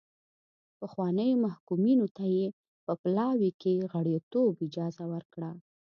پخوانیو محکومینو ته یې په پلاوي کې غړیتوب اجازه ورکړه.